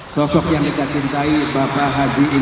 sosok yang kita cintai bapak haji intimidur jokowi dondek